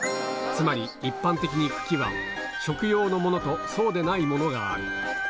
つまり一般的に茎は食用のものとそうでないものがある